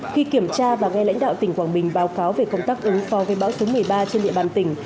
khi kiểm tra và nghe lãnh đạo tỉnh quảng bình báo cáo về công tác ứng phó với bão số một mươi ba trên địa bàn tỉnh